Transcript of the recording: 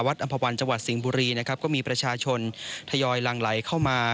อำภาวันจังหวัดสิงห์บุรีนะครับก็มีประชาชนทยอยหลังไหลเข้ามา